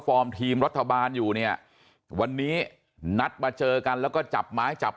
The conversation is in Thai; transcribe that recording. ทีมรัฐบาลอยู่เนี่ยวันนี้นัดมาเจอกันแล้วก็จับไม้จับ